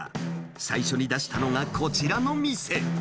最初に出したのがこちらの店。